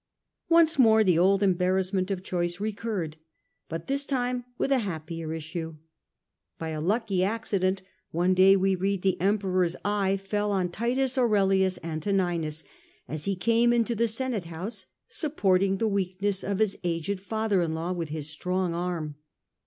Once more the old embarrassment of choice recurred, but this time with a happier issue. By a lucky accident and T. A. one day, we read, the Emperor's eye fell on ^adopted Titus Aurelius Antoninus as he came into the in his place, senate house supporting the weakness of his aged father in law with his strong arm.